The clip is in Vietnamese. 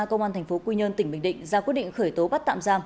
công an tp quy nhơn tỉnh bình định ra quyết định khởi tố bắt tạm giam